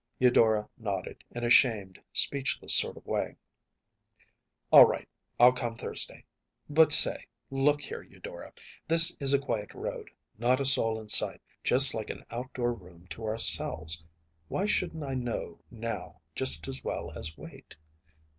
‚ÄĚ Eudora nodded in a shamed, speechless sort of way. “All right. I’ll come Thursday but say, look here, Eudora. This is a quiet road, not a soul in sight, just like an outdoor room to ourselves. Why shouldn’t I know now just as well as wait?